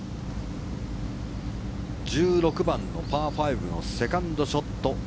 １６番のパー５のセカンドショット。